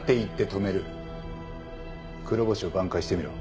黒星を挽回してみろ。